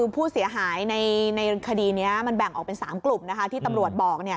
ผู้เสียหายในคดีนี้มันแบ่งออกเป็น๓กลุ่มที่ตำรวจบอก